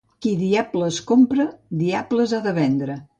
Qui diables compra, diables ha de vendre.